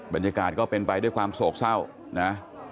บรรยากาศก็เป็นไปด้วยความโศกเศร้านะ